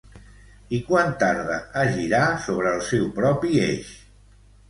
I quant tarda a girar sobre el seu propi eix?